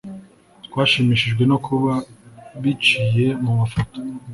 twashimishijwe no kuba biciye mu mafoto